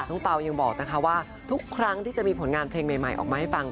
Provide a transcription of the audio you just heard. เปล่ายังบอกนะคะว่าทุกครั้งที่จะมีผลงานเพลงใหม่ออกมาให้ฟัง